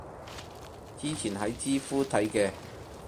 之前喺知乎睇嘅